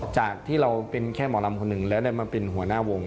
จากที่เราเป็นแค่หมอลำคนหนึ่งแล้วได้มาเป็นหัวหน้าวง